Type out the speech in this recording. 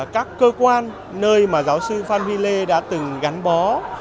các cơ quan nơi mà giáo sư phan huy lê đã từng gắn bó